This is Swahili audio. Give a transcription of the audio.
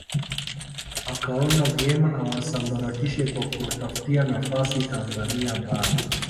Akaona vyema awasambaratishe kwa kuwatafutia nafasi Tanzania Bara